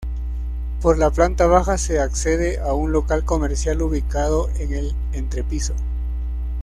Por la planta baja se accede a un local comercial ubicado en el entrepiso.